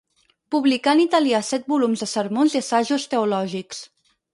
Publicà en italià set volums de sermons i assajos teològics.